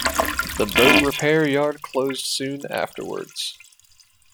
The boat repair yard closed soon afterwards.